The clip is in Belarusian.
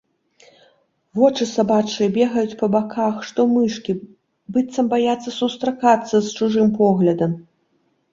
Вочы сабачыя бегаюць па баках, што мышкі, быццам баяцца сустракацца з чужым поглядам.